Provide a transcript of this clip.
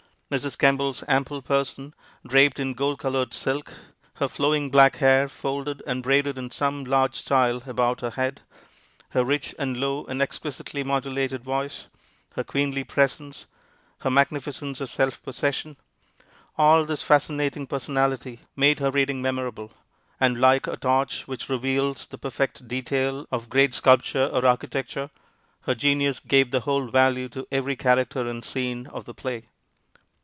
Mrs. Kemble's ample person draped in gold colored silk, her flowing black hair folded and braided in some large style about her head, her rich and low and exquisitely modulated voice, her queenly presence, her magnificence of self possession all this fascinating personality made her reading memorable, and like a torch which reveals the perfect detail of great sculpture or architecture, her genius gave the whole value to every character and scene of the play.